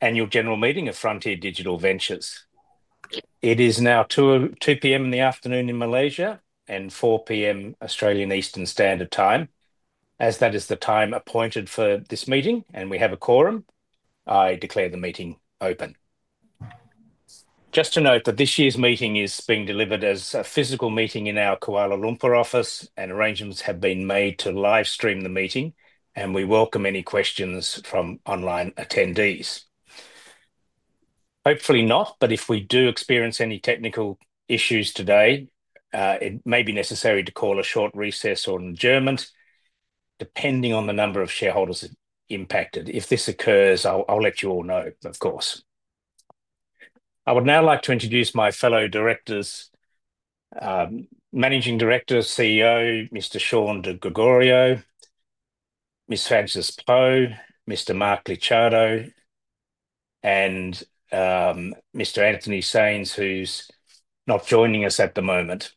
Annual General Meeting of Frontier Digital Ventures. It is now 2:00 P.M. in the afternoon in Malaysia and 4:00 P.M. Australian Eastern Standard Time, as that is the time appointed for this meeting, and we have a quorum. I declare the meeting open. Just to note that this year's meeting is being delivered as a physical meeting in our Kuala Lumpur office, and arrangements have been made to live stream the meeting, and we welcome any questions from online attendees. Hopefully not, but if we do experience any technical issues today, it may be necessary to call a short recess or an adjournment, depending on the number of shareholders impacted. If this occurs, I'll let you all know, of course. I would now like to introduce my fellow directors, Managing Director, CEO, Mr. Shaun Di Gregorio, Ms. Frances Po, Mr. Marc Licciardo, and Mr. Anthony Sains, who's not joining us at the moment.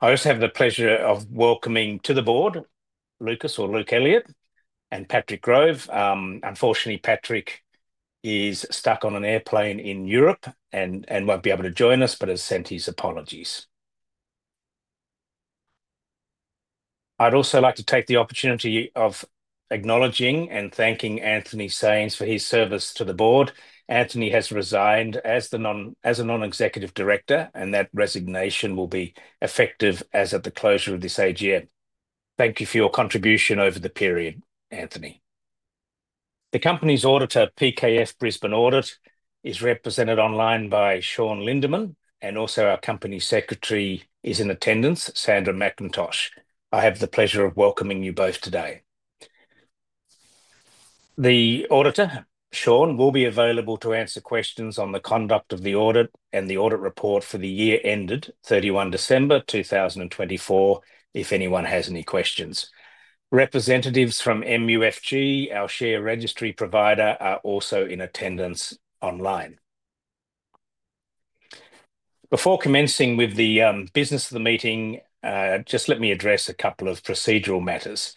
I also have the pleasure of welcoming to the board Lucas or Luke Elliott and Patrick Grove. Unfortunately, Patrick is stuck on an airplane in Europe and won't be able to join us, but has sent his apologies. I'd also like to take the opportunity of acknowledging and thanking Anthony Sains for his service to the board. Anthony has resigned as a non-executive director, and that resignation will be effective as of the closure of this AGM. Thank you for your contribution over the period, Anthony. The company's auditor, PKF Brisbane Audit, is represented online by Shaun Lindemann, and also our company secretary is in attendance, Sandra McIntosh. I have the pleasure of welcoming you both today. The auditor, Shaun, will be available to answer questions on the conduct of the audit and the audit report for the year ended 31 December 2024, if anyone has any questions. Representatives from MUFG, our share registry provider, are also in attendance online. Before commencing with the business of the meeting, just let me address a couple of procedural matters.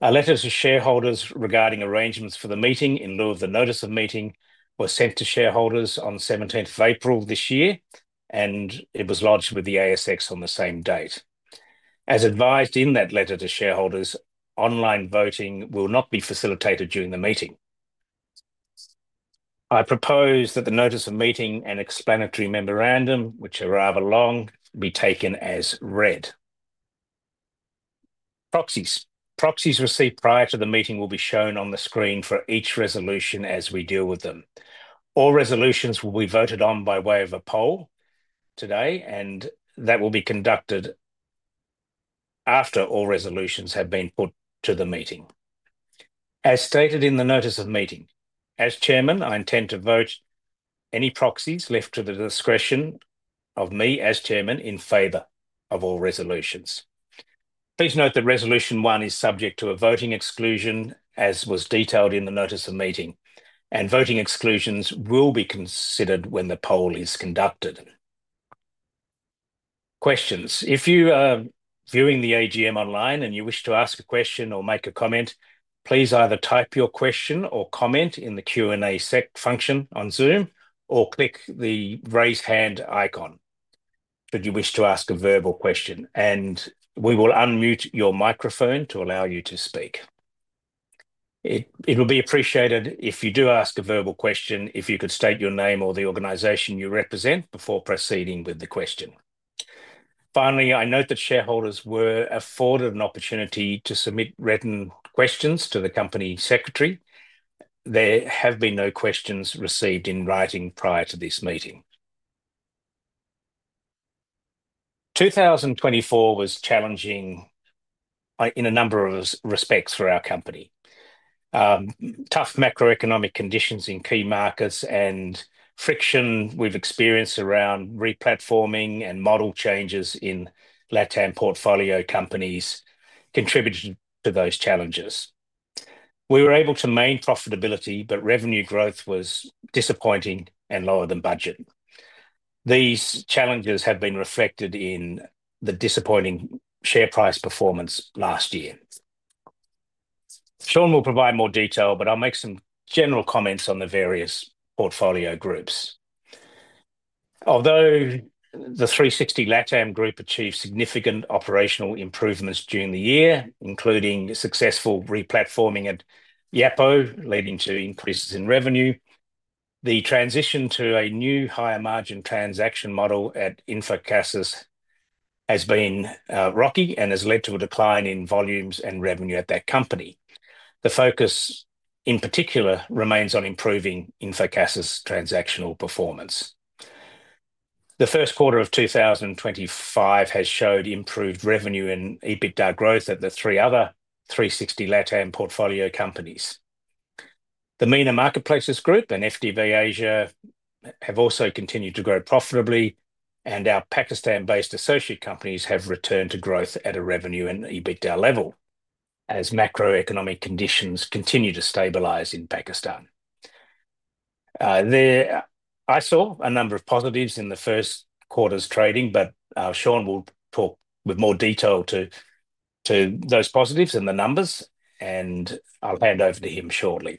A letter to shareholders regarding arrangements for the meeting in lieu of the notice of meeting was sent to shareholders on 17th of April this year, and it was lodged with the ASX on the same date. As advised in that letter to shareholders, online voting will not be facilitated during the meeting. I propose that the notice of meeting and explanatory memorandum, which are rather long, be taken as read. Proxies received prior to the meeting will be shown on the screen for each resolution as we deal with them. All resolutions will be voted on by way of a poll today, and that will be conducted after all resolutions have been put to the meeting. As stated in the notice of meeting, as Chairman, I intend to vote any proxies left to the discretion of me as Chairman in favor of all resolutions. Please note that Resolution 1 is subject to a voting exclusion, as was detailed in the notice of meeting, and voting exclusions will be considered when the poll is conducted. Questions. If you are viewing the AGM online and you wish to ask a question or make a comment, please either type your question or comment in the Q&A function on Zoom or click the raise hand icon should you wish to ask a verbal question, and we will unmute your microphone to allow you to speak. It will be appreciated if you do ask a verbal question if you could state your name or the organization you represent before proceeding with the question. Finally, I note that shareholders were afforded an opportunity to submit written questions to the Company Secretary. There have been no questions received in writing prior to this meeting. 2024 was challenging in a number of respects for our company. Tough macroeconomic conditions in key markets and friction we've experienced around replatforming and model changes in LATAM portfolio companies contributed to those challenges. We were able to maintain profitability, but revenue growth was disappointing and lower than budget. These challenges have been reflected in the disappointing share price performance last year. Shaun will provide more detail, but I'll make some general comments on the various portfolio groups. Although the 360 LATAM group achieved significant operational improvements during the year, including successful replatforming at YAPO, leading to increases in revenue, the transition to a new higher margin transaction model at Infocasas has been rocky and has led to a decline in volumes and revenue at that company. The focus in particular remains on improving Infocasas' transactional performance. The first quarter of 2025 has showed improved revenue and EBITDA growth at the three other 360 LATAM portfolio companies. The MENA Marketplaces Group and FDV Asia have also continued to grow profitably, and our Pakistan-based associate companies have returned to growth at a revenue and EBITDA level as macroeconomic conditions continue to stabilize in Pakistan. I saw a number of positives in the first quarter's trading, but Shaun will talk with more detail to those positives and the numbers, and I'll hand over to him shortly.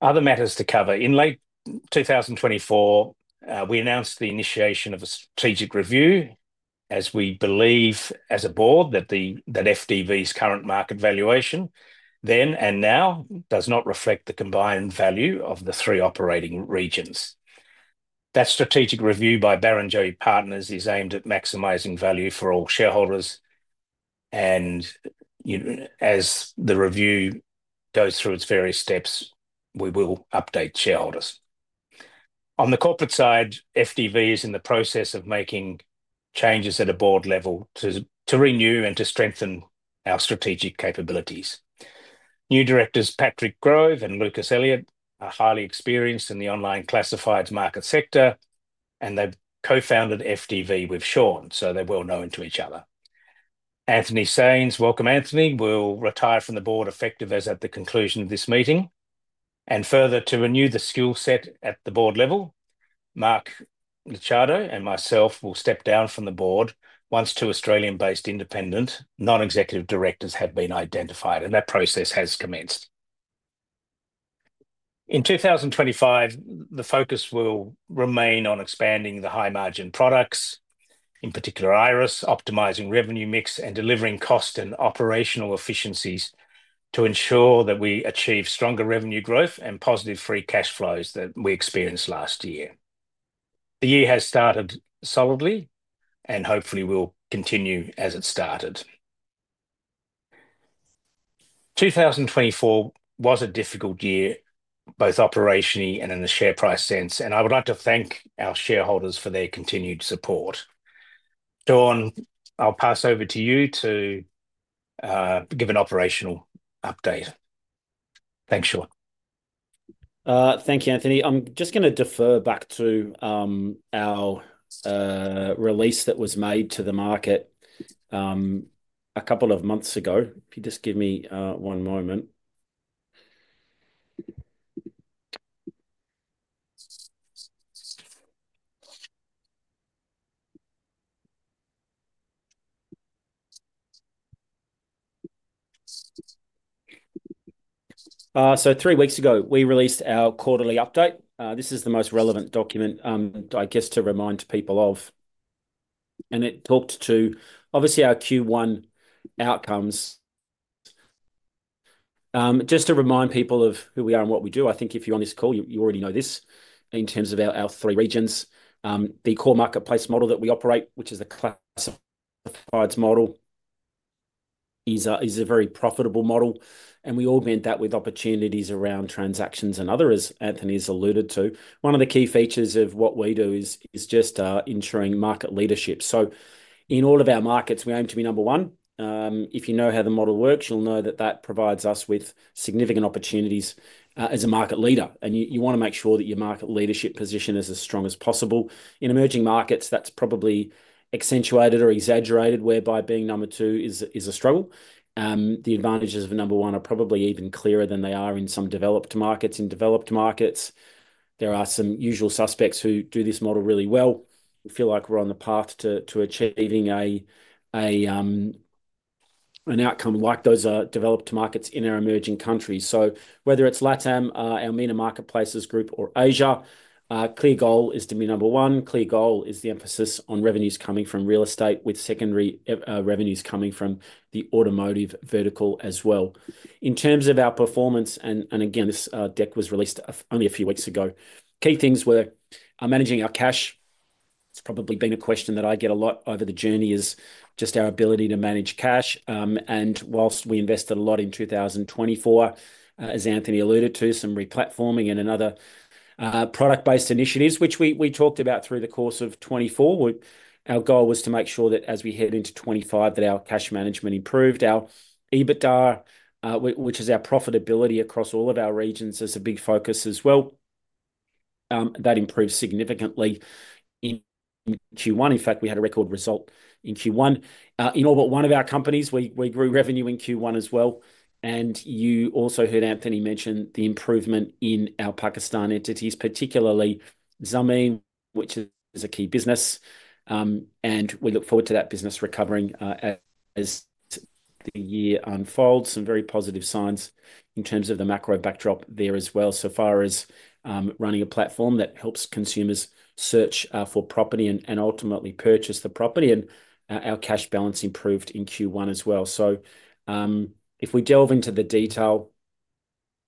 Other matters to cover. In late 2024, we announced the initiation of a strategic review as we believe as a board that FDV's current market valuation then and now does not reflect the combined value of the three operating regions. That strategic review by Barrenjoey Partners is aimed at maximizing value for all shareholders, and as the review goes through its various steps, we will update shareholders. On the corporate side, FDV is in the process of making changes at a board level to renew and to strengthen our strategic capabilities. New directors Patrick Grove and Lucas Elliott are highly experienced in the online classifieds market sector, and they've co-founded FDV with Shaun, so they're well known to each other. Anthony Sains, welcome Anthony. Will retire from the board effective as at the conclusion of this meeting. Further, to renew the skill set at the board level, Marc Licciardo and myself will step down from the board once two Australian-based independent non-executive directors have been identified, and that process has commenced. In 2025, the focus will remain on expanding the high margin products, in particular IRIS, optimising revenue mix and delivering cost and operational efficiencies to ensure that we achieve stronger revenue growth and positive free cash flows that we experienced last year. The year has started solidly and hopefully will continue as it started. 2024 was a difficult year, both operationally and in the share price sense, and I would like to thank our shareholders for their continued support. Shaun, I'll pass over to you to give an operational update. Thanks, Shaun. Thank you, Anthony. I'm just going to defer back to our release that was made to the market a couple of months ago. If you just give me one moment. Three weeks ago, we released our quarterly update. This is the most relevant document, I guess, to remind people of. It talked to, obviously, our Q1 outcomes. Just to remind people of who we are and what we do, I think if you're on this call, you already know this in terms of our three regions. The core marketplace model that we operate, which is a classifieds model, is a very profitable model, and we augment that with opportunities around transactions and others, as Anthony has alluded to. One of the key features of what we do is just ensuring market leadership. In all of our markets, we aim to be number one. If you know how the model works, you'll know that provides us with significant opportunities as a market leader, and you want to make sure that your market leadership position is as strong as possible. In emerging markets, that's probably accentuated or exaggerated, whereby being number two is a struggle. The advantages of number one are probably even clearer than they are in some developed markets. In developed markets, there are some usual suspects who do this model really well. We feel like we're on the path to achieving an outcome like those developed markets in our emerging countries. Whether it's LATAM, our MENA Marketplaces Group, or Asia, clear goal is to be number one. Clear goal is the emphasis on revenues coming from real estate, with secondary revenues coming from the automotive vertical as well. In terms of our performance, and again, this deck was released only a few weeks ago, key things were managing our cash. It's probably been a question that I get a lot over the journey is just our ability to manage cash. Whilst we invested a lot in 2024, as Anthony alluded to, some replatforming and other product-based initiatives, which we talked about through the course of 2024, our goal was to make sure that as we head into 2025, that our cash management improved. Our EBITDA, which is our profitability across all of our regions, is a big focus as well. That improved significantly in Q1. In fact, we had a record result in Q1. In all but one of our companies, we grew revenue in Q1 as well. You also heard Anthony mention the improvement in our Pakistan entities, particularly Zamin, which is a key business. We look forward to that business recovering as the year unfolds. Some very positive signs in terms of the macro backdrop there as well. So far as running a platform that helps consumers search for property and ultimately purchase the property, and our cash balance improved in Q1 as well. If we delve into the detail,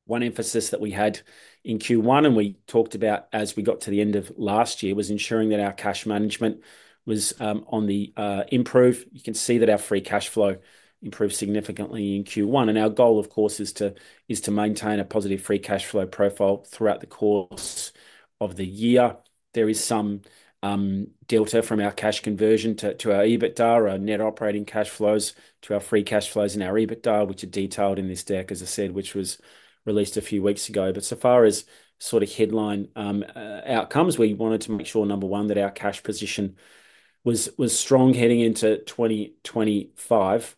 one emphasis that we had in Q1, and we talked about as we got to the end of last year, was ensuring that our cash management was on the improve. You can see that our free cash flow improved significantly in Q1. Our goal, of course, is to maintain a positive free cash flow profile throughout the course of the year. There is some delta from our cash conversion to our EBITDA, our net operating cash flows to our free cash flows and our EBITDA, which are detailed in this deck, as I said, which was released a few weeks ago. So far as sort of headline outcomes, we wanted to make sure, number one, that our cash position was strong heading into 2025.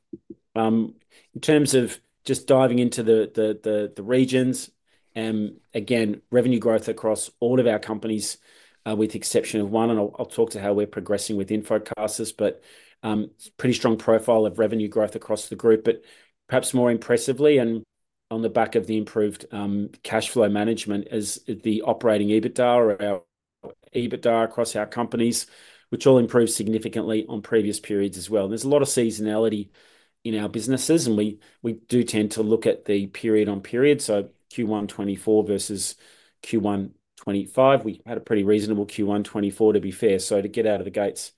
In terms of just diving into the regions, again, revenue growth across all of our companies with the exception of one, and I'll talk to how we're progressing with Infocasas, but pretty strong profile of revenue growth across the group. Perhaps more impressively and on the back of the improved cash flow management is the operating EBITDA or our EBITDA across our companies, which all improved significantly on previous periods as well. There's a lot of seasonality in our businesses, and we do tend to look at the period on period. Q1 2024 versus Q1 2025, we had a pretty reasonable Q1 2024, to be fair. To get out of the gates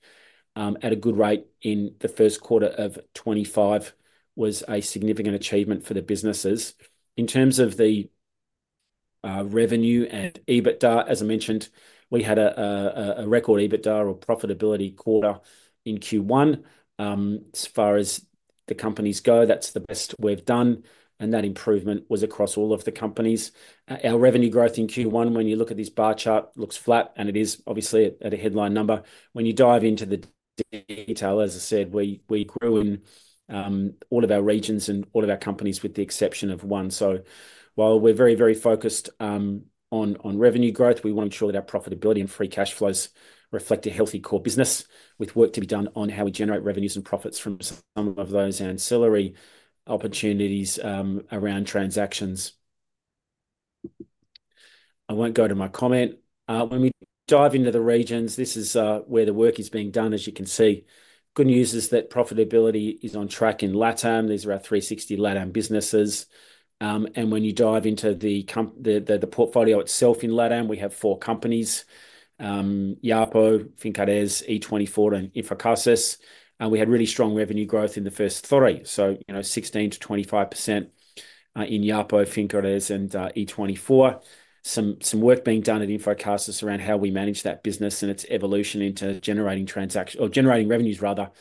at a good rate in the first quarter of 2025 was a significant achievement for the businesses. In terms of the revenue and EBITDA, as I mentioned, we had a record EBITDA or profitability quarter in Q1. As far as the companies go, that's the best we've done, and that improvement was across all of the companies. Our revenue growth in Q1, when you look at this bar chart, looks flat, and it is obviously at a headline number. When you dive into the detail, as I said, we grew in all of our regions and all of our companies with the exception of one. While we're very, very focused on revenue growth, we want to ensure that our profitability and free cash flows reflect a healthy core business with work to be done on how we generate revenues and profits from some of those ancillary opportunities around transactions. I won't go to my comment. When we dive into the regions, this is where the work is being done, as you can see. Good news is that profitability is on track in LATAM. These are our 360 LATAM businesses. When you dive into the portfolio itself in LATAM, we have four companies: YAPO, Fincaraiz, E24, and Infocasas. We had really strong revenue growth in the first three, so 16%-25% in YAPO, Fincaraiz, and E24. Some work being done at Infocasas around how we manage that business and its evolution into generating transactions or generating revenues, rather,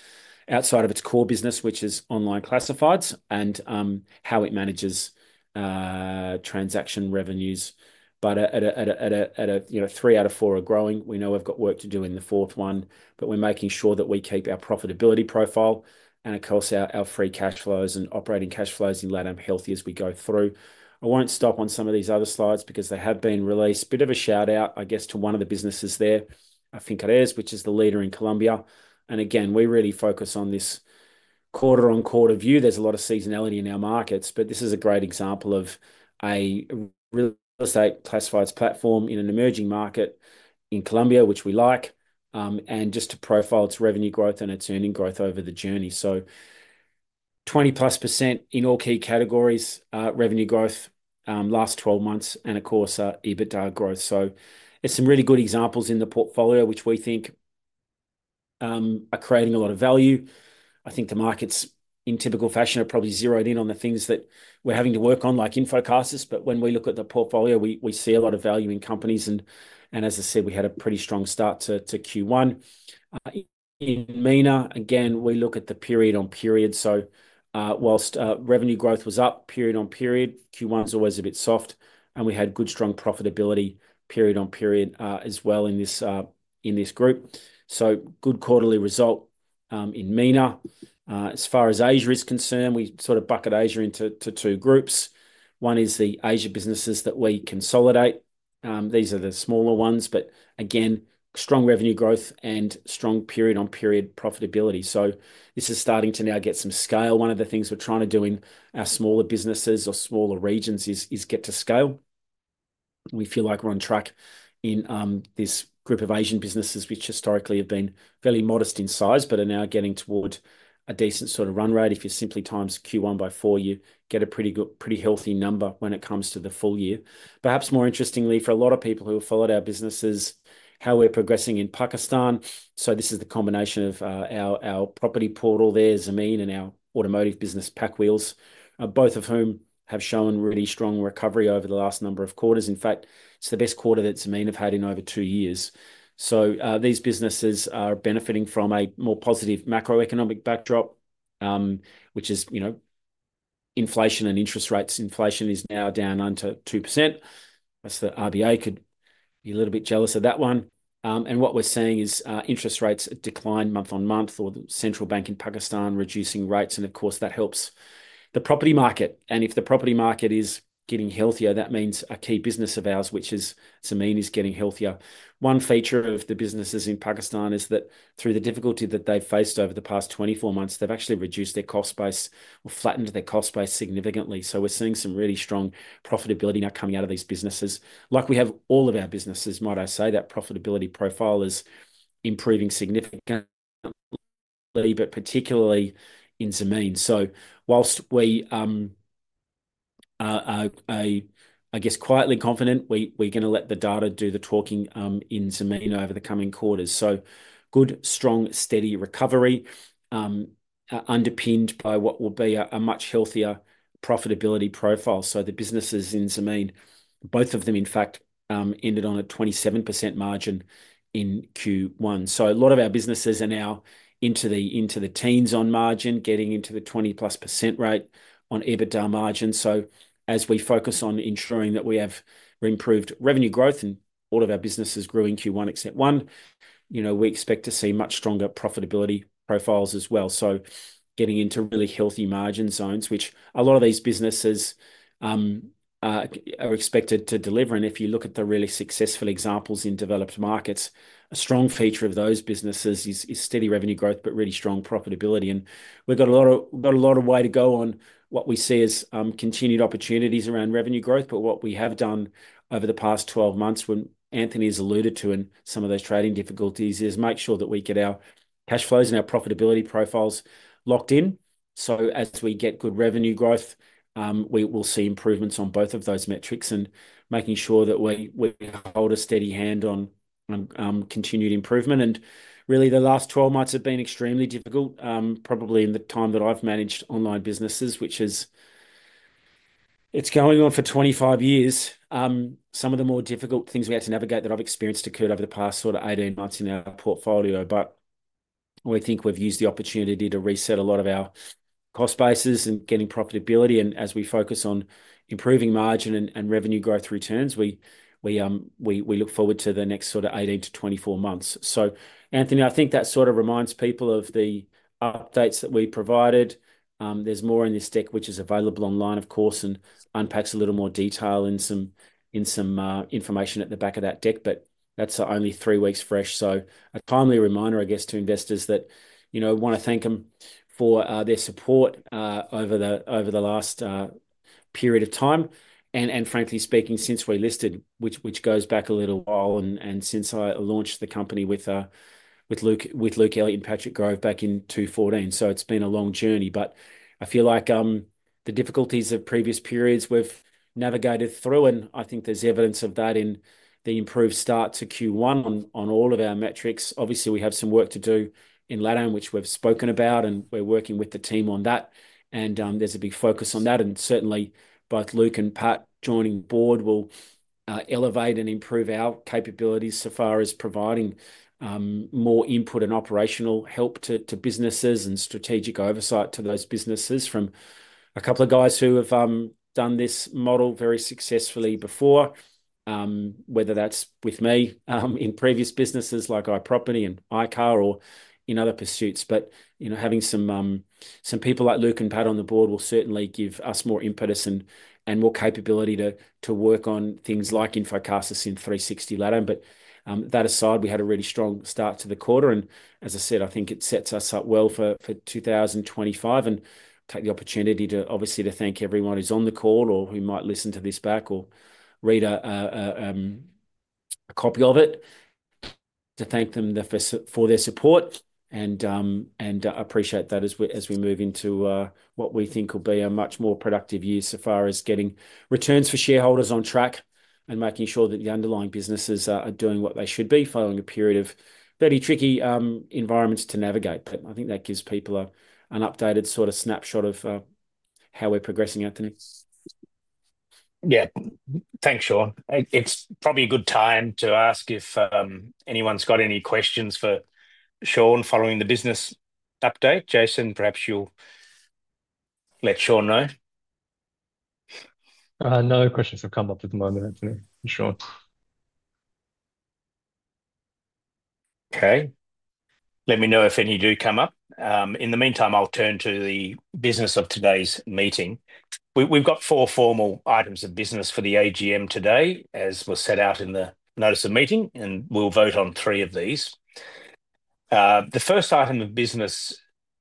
outside of its core business, which is online classifieds, and how it manages transaction revenues. At a three out of four, we know we've got work to do in the fourth one, but we're making sure that we keep our profitability profile and, of course, our free cash flows and operating cash flows in LATAM healthy as we go through. I won't stop on some of these other slides because they have been released. Bit of a shout-out, I guess, to one of the businesses there, Fincaraiz, which is the leader in Colombia. Again, we really focus on this quarter-on-quarter view. There's a lot of seasonality in our markets, but this is a great example of a real estate classifieds platform in an emerging market in Colombia, which we like, and just to profile its revenue growth and its earning growth over the journey. So 20% plus in all key categories, revenue growth last 12 months, and of course, EBITDA growth. It's some really good examples in the portfolio, which we think are creating a lot of value. I think the markets, in typical fashion, are probably zeroed in on the things that we're having to work on, like Infocasas. When we look at the portfolio, we see a lot of value in companies. As I said, we had a pretty strong start to Q1. In MENA, again, we look at the period on period. Whilst revenue growth was up period on period, Q1 was always a bit soft, and we had good, strong profitability period on period as well in this group. Good quarterly result in MENA. As far as Asia is concerned, we sort of bucket Asia into two groups. One is the Asia businesses that we consolidate. These are the smaller ones, but again, strong revenue growth and strong period on period profitability. This is starting to now get some scale. One of the things we're trying to do in our smaller businesses or smaller regions is get to scale. We feel like we're on track in this group of Asian businesses, which historically have been fairly modest in size, but are now getting toward a decent sort of run rate. If you simply times Q1 by four, you get a pretty healthy number when it comes to the full year. Perhaps more interestingly, for a lot of people who have followed our businesses, how we're progressing in Pakistan. This is the combination of our property portal there, Zamin, and our automotive business, PakWheels, both of whom have shown really strong recovery over the last number of quarters. In fact, it's the best quarter that Zamin have had in over two years. These businesses are benefiting from a more positive macroeconomic backdrop, which is inflation and interest rates. Inflation is now down under 2%. The RBA could be a little bit jealous of that one. What we're seeing is interest rates decline month on month, or the central bank in Pakistan reducing rates. Of course, that helps the property market. If the property market is getting healthier, that means a key business of ours, which is Zamin, is getting healthier. One feature of the businesses in Pakistan is that through the difficulty that they've faced over the past 24 months, they've actually reduced their cost base or flattened their cost base significantly. We're seeing some really strong profitability now coming out of these businesses. Like we have all of our businesses, might I say, that profitability profile is improving significantly, but particularly in Zamin. Whilst we are, I guess, quietly confident, we're going to let the data do the talking in Zamin over the coming quarters. Good, strong, steady recovery underpinned by what will be a much healthier profitability profile. The businesses in Zamin, both of them, in fact, ended on a 27% margin in Q1. A lot of our businesses are now into the teens on margin, getting into the 20% plus rate on EBITDA margin. As we focus on ensuring that we have improved revenue growth and all of our businesses grew in Q1 except one, we expect to see much stronger profitability profiles as well. Getting into really healthy margin zones, which a lot of these businesses are expected to deliver. If you look at the really successful examples in developed markets, a strong feature of those businesses is steady revenue growth, but really strong profitability. We have a lot of way to go on what we see as continued opportunities around revenue growth. What we have done over the past 12 months, which Anthony has alluded to in some of those trading difficulties, is make sure that we get our cash flows and our profitability profiles locked in. As we get good revenue growth, we will see improvements on both of those metrics and make sure that we hold a steady hand on continued improvement. Really, the last 12 months have been extremely difficult, probably in the time that I've managed online businesses, which is going on for 25 years. Some of the more difficult things we had to navigate that I've experienced occurred over the past 18 months in our portfolio. We think we've used the opportunity to reset a lot of our cost bases and get profitability. As we focus on improving margin and revenue growth returns, we look forward to the next sort of 18-24 months. Anthony, I think that sort of reminds people of the updates that we provided. There is more in this deck, which is available online, of course, and unpacks a little more detail in some information at the back of that deck. That is only three weeks fresh. A timely reminder, I guess, to investors that I want to thank them for their support over the last period of time. Frankly speaking, since we listed, which goes back a little while, and since I launched the company with Luke Elliott and Patrick Grove back in 2014. It has been a long journey. I feel like the difficulties of previous periods we've navigated through, and I think there's evidence of that in the improved start to Q1 on all of our metrics. Obviously, we have some work to do in LATAM, which we've spoken about, and we're working with the team on that. There's a big focus on that. Certainly, both Luke and Pat joining the board will elevate and improve our capabilities so far as providing more input and operational help to businesses and strategic oversight to those businesses from a couple of guys who have done this model very successfully before, whether that's with me in previous businesses like iProperty and iCar or in other pursuits. Having some people like Luke and Pat on the board will certainly give us more impetus and more capability to work on things like Infocasas in 360 LATAM. That aside, we had a really strong start to the quarter. As I said, I think it sets us up well for 2025. I want to take the opportunity to obviously thank everyone who's on the call or who might listen to this back or read a copy of it, to thank them for their support and appreciate that as we move into what we think will be a much more productive year so far as getting returns for shareholders on track and making sure that the underlying businesses are doing what they should be following a period of very tricky environments to navigate. I think that gives people an updated sort of snapshot of how we're progressing, Anthony. Yeah, thanks, Shaun. It's probably a good time to ask if anyone's got any questions for Shaun following the business update. Jason, perhaps you'll let Shaun know. No questions have come up at the moment, Anthony. Sure. Okay. Let me know if any do come up. In the meantime, I'll turn to the business of today's meeting. We've got four formal items of business for the AGM today, as was set out in the notice of meeting, and we'll vote on three of these. The first item of business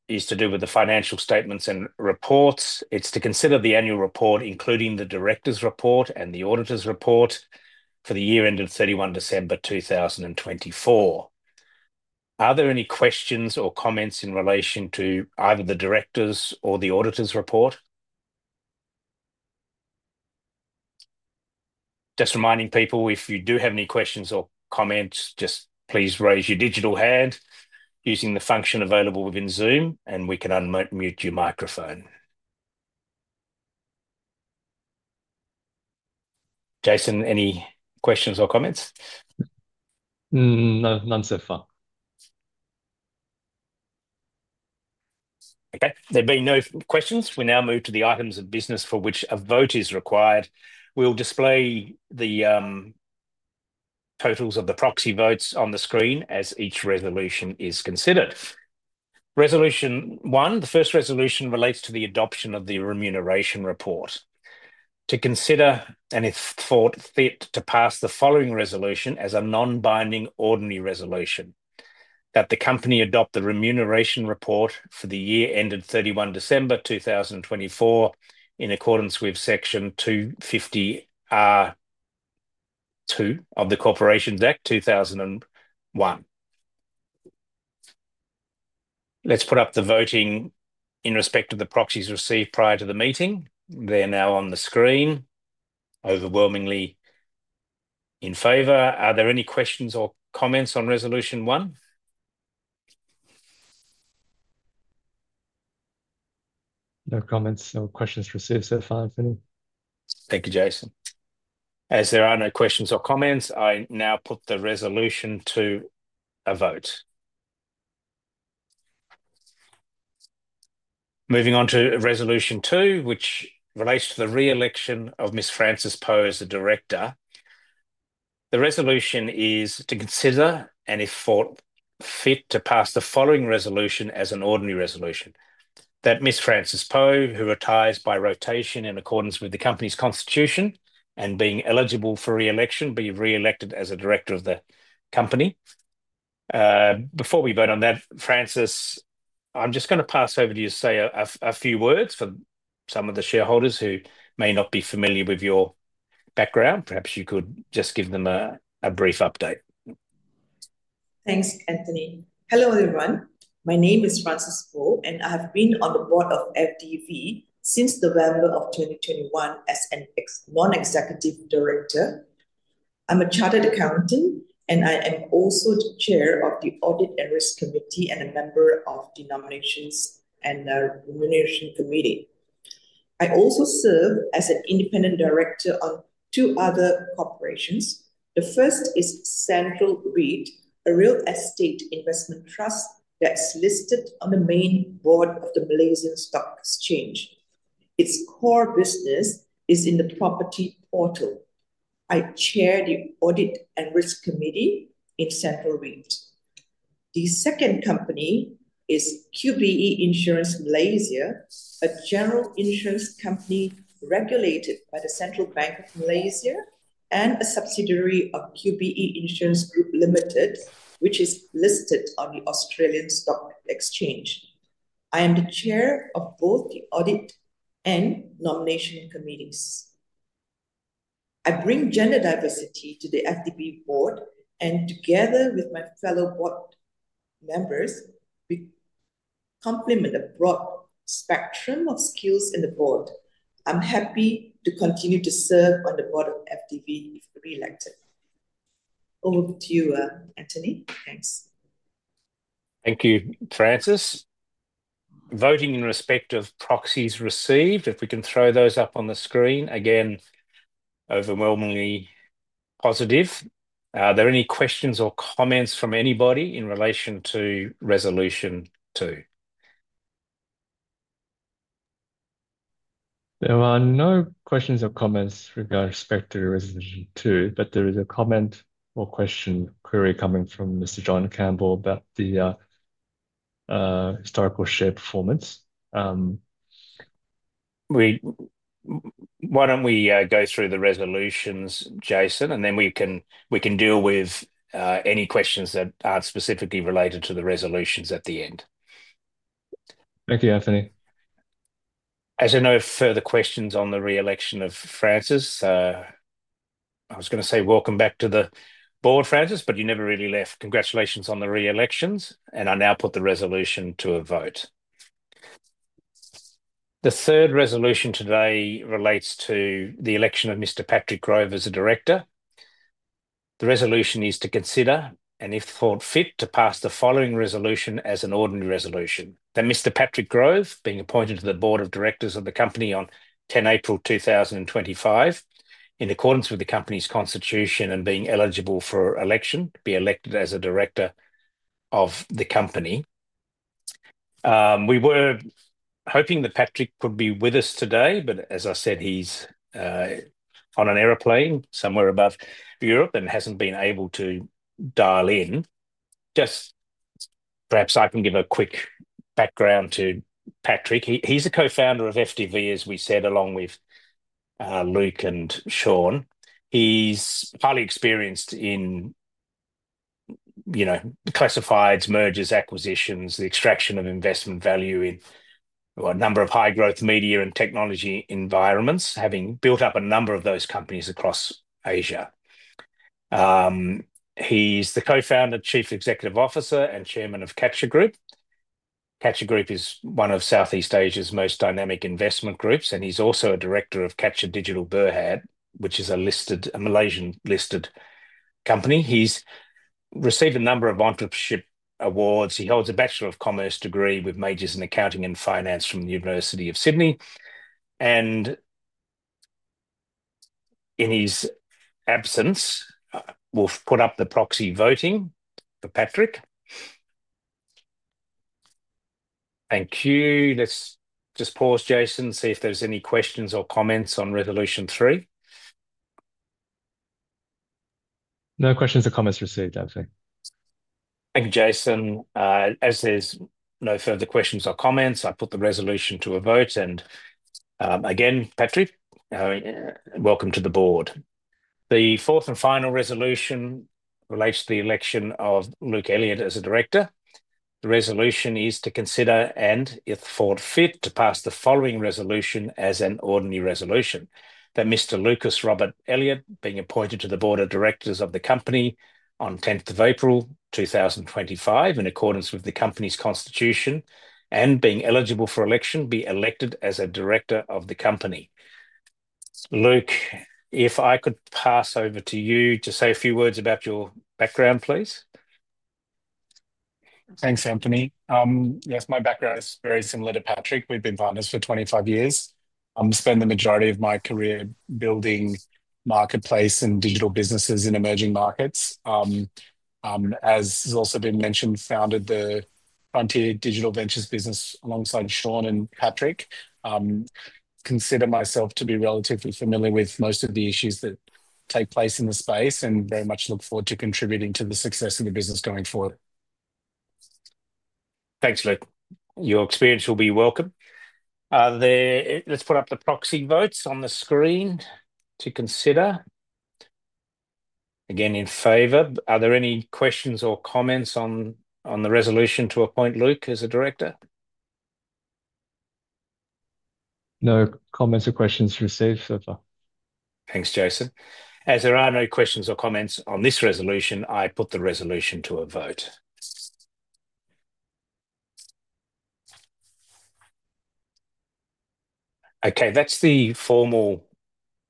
is to do with the financial statements and reports. It's to consider the annual report, including the director's report and the auditor's report for the year ended 31 December 2024. Are there any questions or comments in relation to either the director's or the auditor's report? Just reminding people, if you do have any questions or comments, just please raise your digital hand using the function available within Zoom, and we can unmute your microphone. Jason, any questions or comments? None so far. Okay. There have been no questions. We now move to the items of business for which a vote is required. We'll display the totals of the proxy votes on the screen as each resolution is considered. Resolution one, the first resolution relates to the adoption of the remuneration report. To consider and if thought fit to pass the following resolution as a non-binding ordinary resolution that the company adopt the remuneration report for the year ended 31 December 2024 in accordance with Section 250(a)(2) of the Corporations Act 2001. Let's put up the voting in respect of the proxies received prior to the meeting. They're now on the screen, overwhelmingly in favor. Are there any questions or comments on resolution one? No comments. No questions received so far, Anthony. Thank you, Jason. As there are no questions or comments, I now put the resolution to a vote. Moving on to resolution two, which relates to the re-election of Miss Frances Po as a director. The resolution is to consider and if thought fit to pass the following resolution as an ordinary resolution that Miss Frances Po, who retires by rotation in accordance with the company's constitution and being eligible for re-election, be re-elected as a director of the company. Before we vote on that, Frances, I'm just going to pass over to you to say a few words for some of the shareholders who may not be familiar with your background. Perhaps you could just give them a brief update. Thanks, Anthony. Hello, everyone. My name is Frances Po, and I have been on the board of FDV since November of 2021 as a non-executive director. I'm a chartered accountant, and I am also the chair of the Audit and Risk Committee and a member of the Nominations and Remuneration Committee. I also serve as an independent director on two other corporations. The first is Central REIT, a real estate investment trust that's listed on the main board of the Malaysian Stock Exchange. Its core business is in the property portal. I chair the Audit and Risk Committee in Central REIT. The second company is QBE Insurance Malaysia, a general insurance company regulated by the Central Bank of Malaysia and a subsidiary of QBE Insurance Group Limited, which is listed on the Australian Securities Exchange. I am the chair of both the Audit and Nomination Committees. I bring gender diversity to the FDV board, and together with my fellow board members, we complement a broad spectrum of skills in the board. I'm happy to continue to serve on the board of FDV if re-elected. Over to you, Anthony. Thanks. Thank you, Frances. Voting in respect of proxies received, if we can throw those up on the screen, again, overwhelmingly positive. Are there any questions or comments from anybody in relation to resolution two? There are no questions or comments with respect to resolution two, but there is a comment or question query coming from Mr. John Campbell about the historical share performance. Why don't we go through the resolutions, Jason, and then we can deal with any questions that aren't specifically related to the resolutions at the end. Thank you, Anthony. As I know of further questions on the re-election of Frances, I was going to say, welcome back to the board, Frances, but you never really left. Congratulations on the re-elections. I now put the resolution to a vote. The third resolution today relates to the election of Mr. Patrick Grove as a director. The resolution is to consider and if thought fit to pass the following resolution as an ordinary resolution. That Mr. Patrick Grove, being appointed to the board of directors of the company on 10 April 2025 in accordance with the company's constitution and being eligible for election, be elected as a director of the company. We were hoping that Patrick could be with us today, but as I said, he's on an aeroplane somewhere above Europe and hasn't been able to dial in. Just perhaps I can give a quick background to Patrick. He's a co-founder of FDV, as we said, along with Luke and Shaun. He's highly experienced in classifieds, mergers, acquisitions, the extraction of investment value in a number of high-growth media and technology environments, having built up a number of those companies across Asia. He's the co-founder, Chief Executive Officer, and Chairman of Capture Group. Capture Group is one of Southeast Asia's most dynamic investment groups, and he's also a director of Capture Digital Berhad, which is a Malaysian-listed company. He's received a number of entrepreneurship awards. He holds a Bachelor of Commerce degree with majors in accounting and finance from the University of Sydney. In his absence, we'll put up the proxy voting for Patrick. Thank you. Let's just pause, Jason, and see if there's any questions or comments on resolution three. No questions or comments received, Anthony. Thank you, Jason. As there's no further questions or comments, I put the resolution to a vote. Patrick, welcome to the board. The fourth and final resolution relates to the election of Luke Elliott as a director. The resolution is to consider and if thought fit to pass the following resolution as an ordinary resolution. That Mr. Lucas Robert Elliott, being appointed to the board of directors of the company on 10 April 2025 in accordance with the company's constitution and being eligible for election, be elected as a director of the company. Luke, if I could pass over to you to say a few words about your background, please. Thanks, Anthony. Yes, my background is very similar to Patrick. We've been partners for 25 years. I've spent the majority of my career building marketplace and digital businesses in emerging markets. As has also been mentio ned, I founded the Frontier Digital Ventures business alongside Shaun and Patrick. Consider myself to be relatively familiar with most of the issues that take place in the space and very much look forward to contributing to the success of the business going forward. Thanks, Luke. Your experience will be welcome. Let's put up the proxy votes on the screen to consider. Again, in favour. Are there any questions or comments on the resolution to appoint Luke as a director? No comments or questions received so far. Thanks, Jason. As there are no questions or comments on this resolution, I put the resolution to a vote. Okay, that's the formal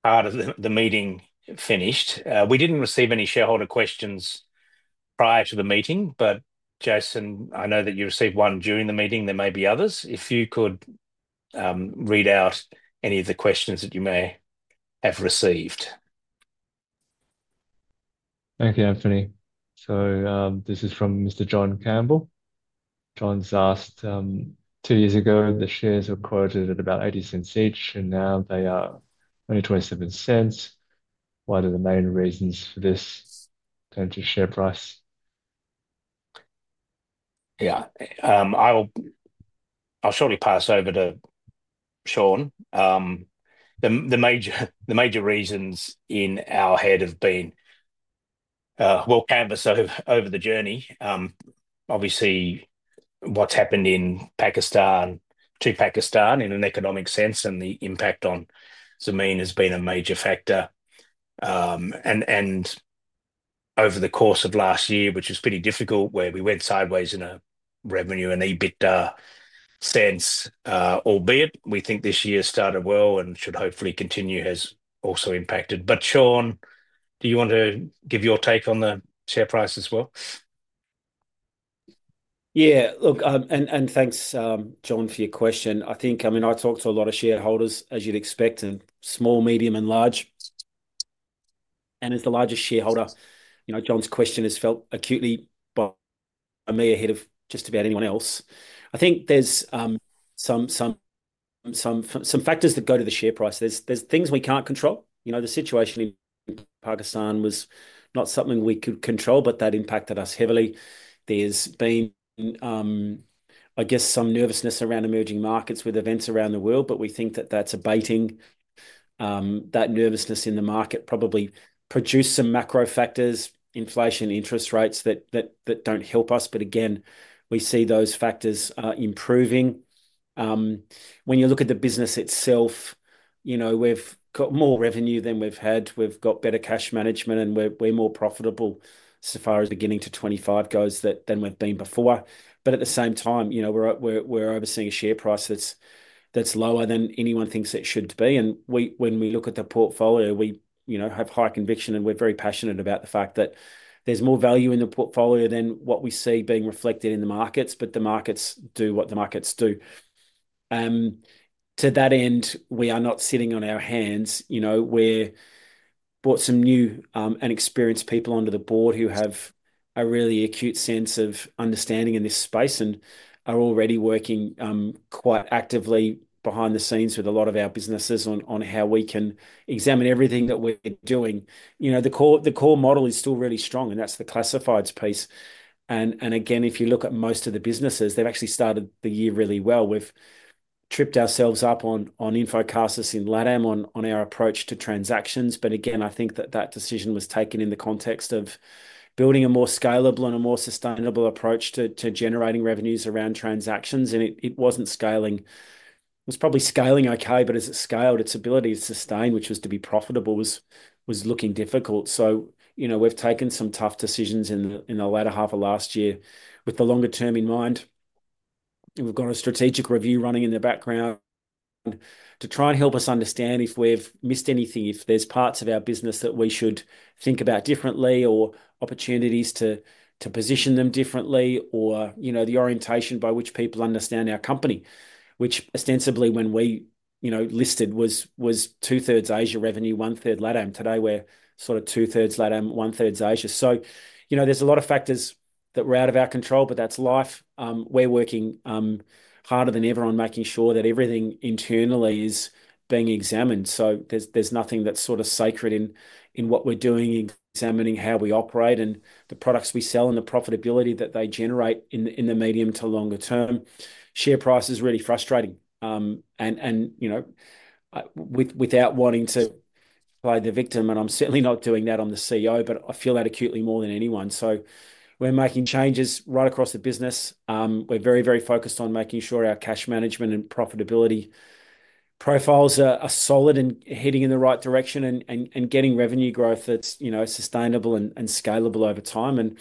part of the meeting finished. We didn't receive any shareholder questions prior to the meeting, but Jason, I know that you received one during the meeting. There may be others. If you could read out any of the questions that you may have received. Thank you, Anthony. So this is from Mr. John Campbell. John's asked, "Two years ago, the shares were quoted at about $0.80 each, and now they are only $0.27. What are the main reasons for this potential share price?" Yeah, I'll shortly pass over to Shaun. The major reasons in our head have been, well, canvassed over the journey. Obviously, what's happened in Pakistan to Pakistan in an economic sense and the impact on Zameen has been a major factor. And over the course of last year, which was pretty difficult, where we went sideways in a revenue and EBITDA sense, albeit, we think this year started well and should hopefully continue, has also impacted. Shaun, do you want to give your take on the share price as well? Yeah, look, and thanks, John, for your question. I think, I mean, I talked to a lot of shareholders, as you'd expect, and small, medium, and large. As the largest shareholder, John's question is felt acutely by me ahead of just about anyone else. I think there's some factors that go to the share price. There's things we can't control. The situation in Pakistan was not something we could control, but that impacted us heavily. There's been, I guess, some nervousness around emerging markets with events around the world. We think that that's abating. That nervousness in the market probably produced some macro factors, inflation, interest rates that don't help us. Again, we see those factors improving. When you look at the business itself, we've got more revenue than we've had. We've got better cash management, and we're more profitable so far as beginning to 2025 goes than we've been before. At the same time, we're overseeing a share price that's lower than anyone thinks it should be. When we look at the portfolio, we have high conviction, and we're very passionate about the fact that there's more value in the portfolio than what we see being reflected in the markets, but the markets do what the markets do. To that end, we are not sitting on our hands. We've brought some new and experienced people onto the board who have a really acute sense of understanding in this space and are already working quite actively behind the scenes with a lot of our businesses on how we can examine everything that we're doing. The core model is still really strong, and that's the classifieds piece. Again, if you look at most of the businesses, they've actually started the year really well. We've tripped ourselves up on Infocasas in LATAM on our approach to transactions. I think that that decision was taken in the context of building a more scalable and a more sustainable approach to generating revenues around transactions. It was not scaling. It was probably scaling okay, but as it scaled, its ability to sustain, which was to be profitable, was looking difficult. We have taken some tough decisions in the latter half of last year with the longer term in mind. We have got a strategic review running in the background to try and help us understand if we have missed anything, if there are parts of our business that we should think about differently or opportunities to position them differently or the orientation by which people understand our company, which ostensibly when we listed was two-thirds Asia revenue, one-third LATAM. Today, we are sort of two-thirds LATAM, one-third Asia. There is a lot of factors that were out of our control, but that's life. We're working harder than ever on making sure that everything internally is being examined. There is nothing that's sort of sacred in what we're doing, examining how we operate and the products we sell and the profitability that they generate in the medium to longer term. Share price is really frustrating. Without wanting to play the victim, and I'm certainly not doing that on the CEO, but I feel that acutely more than anyone. We're making changes right across the business. We're very, very focused on making sure our cash management and profitability profiles are solid and heading in the right direction and getting revenue growth that's sustainable and scalable over time.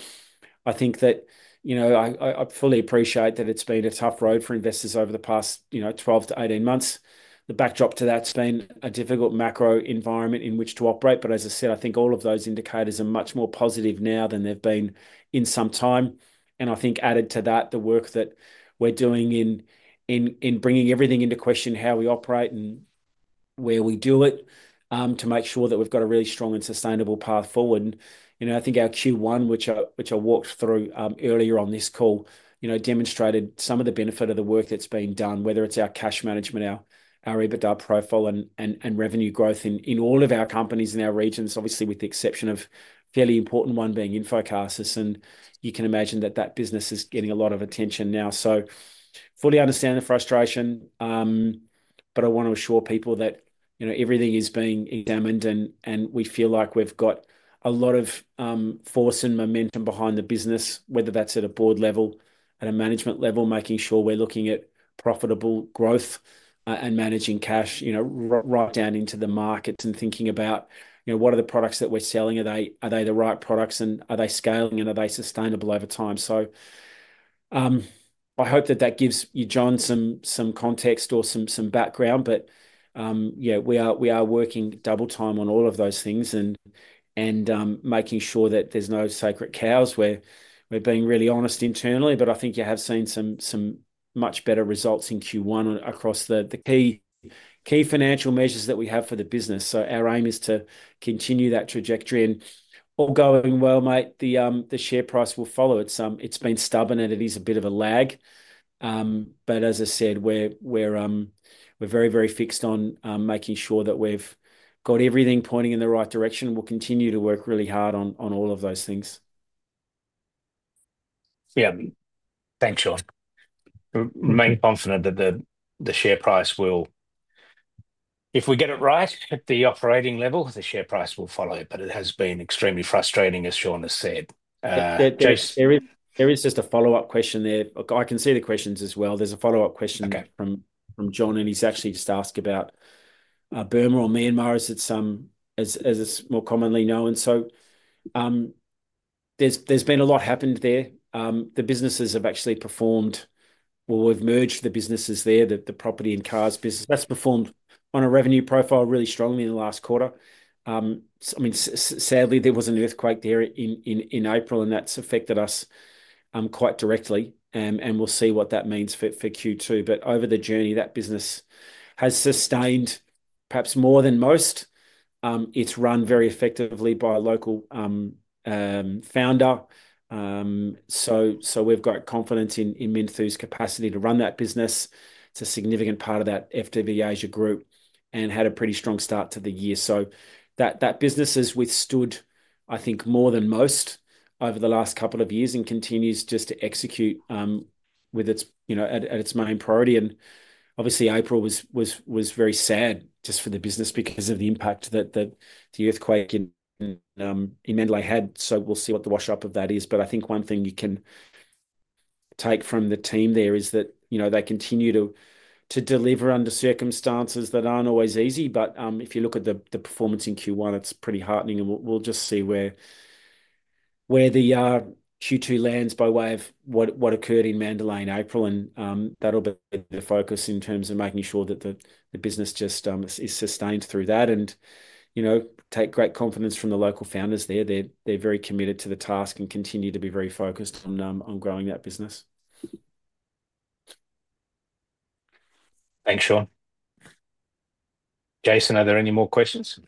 I think that I fully appreciate that it's been a tough road for investors over the past 12 to 18 months. The backdrop to that has been a difficult macro environment in which to operate. As I said, I think all of those indicators are much more positive now than they've been in some time. I think added to that, the work that we're doing in bringing everything into question, how we operate and where we do it to make sure that we've got a really strong and sustainable path forward. I think our Q1, which I walked through earlier on this call, demonstrated some of the benefit of the work that's been done, whether it's our cash management, our EBITDA profile, and revenue growth in all of our companies in our regions, obviously with the exception of a fairly important one being Infocasas. You can imagine that that business is getting a lot of attention now. I fully understand the frustration, but I want to assure people that everything is being examined and we feel like we've got a lot of force and momentum behind the business, whether that's at a board level, at a management level, making sure we're looking at profitable growth and managing cash right down into the markets and thinking about what are the products that we're selling. Are they the right products and are they scaling and are they sustainable over time? I hope that that gives you, John, some context or some background. Yeah, we are working double time on all of those things and making sure that there's no sacred cows. We're being really honest internally, but I think you have seen some much better results in Q1 across the key financial measures that we have for the business. Our aim is to continue that trajectory. All going well, mate, the share price will follow. It has been stubborn and it is a bit of a lag. As I said, we're very, very fixed on making sure that we've got everything pointing in the right direction. We'll continue to work really hard on all of those things. Yeah. Thanks, Shaun. Remain confident that the share price will, if we get it right at the operating level, the share price will follow it, but it has been extremely frustrating, as Shaun has said. There is just a follow-up question there. I can see the questions as well. There's a follow-up question from John, and he's actually just asked about Burma or Myanmar, as it's more commonly known. There's been a lot happened there. The businesses have actually performed. Well, we've merged the businesses there, the property and cars business. That's performed on a revenue profile really strongly in the last quarter. I mean, sadly, there was an earthquake there in April, and that's affected us quite directly. We'll see what that means for Q2. Over the journey, that business has sustained perhaps more than most. It's run very effectively by a local founder. We've got confidence in Minthu's capacity to run that business. It's a significant part of that FDV Asia group and had a pretty strong start to the year. That business has withstood, I think, more than most over the last couple of years and continues just to execute with it at its main priority. Obviously, April was very sad just for the business because of the impact that the earthquake in Mandalay had. We'll see what the wash-up of that is. I think one thing you can take from the team there is that they continue to deliver under circumstances that aren't always easy. If you look at the performance in Q1, it's pretty heartening. We'll just see where the Q2 lands by way of what occurred in Mandalay in April. That'll be the focus in terms of making sure that the business just is sustained through that and take great confidence from the local founders there. They're very committed to the task and continue to be very focused on growing that business. Thanks, Shaun. Jason, are there any more questions?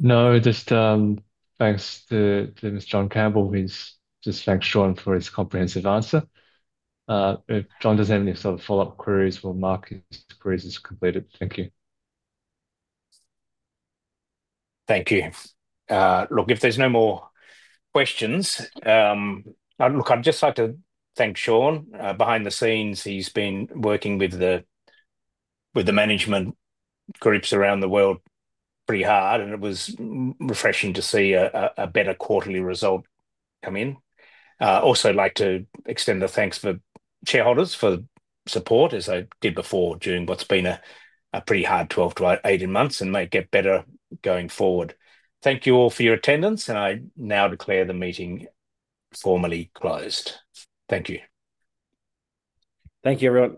No, just thanks to Mr. John Campbell. He's just thanked Shaun for his comprehensive answer. If John doesn't have any sort of follow-up queries, Mark his queries are completed. Thank you. Thank you. Look, if there's no more questions, I'd just like to thank Shaun. Behind the scenes, he's been working with the management groups around the world pretty hard, and it was refreshing to see a better quarterly result come in. I'd also like to extend the thanks for shareholders for support, as I did before during what's been a pretty hard 12 to 18 months and may get better going forward. Thank you all for your attendance, and I now declare the meeting formally closed. Thank you. Thank you.